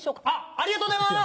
ありがとうございます！